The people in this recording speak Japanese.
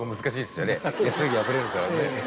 すぐ破れるからね。